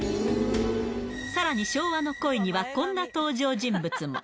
さらに、昭和の恋にはこんな登場人物も。